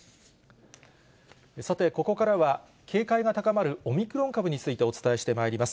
さて、ここからは警戒が高まるオミクロン株についてお伝えしてまいります。